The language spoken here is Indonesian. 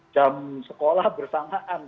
jam sekolah bersamaan